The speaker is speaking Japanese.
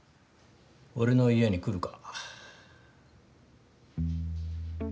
俺の家に来るか。